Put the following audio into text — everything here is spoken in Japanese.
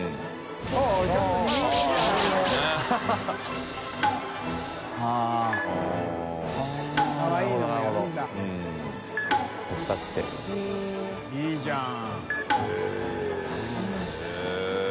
おっいいじゃん！